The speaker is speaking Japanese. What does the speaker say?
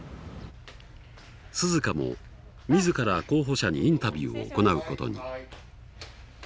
涼夏も自ら候補者にインタビューを行うことに。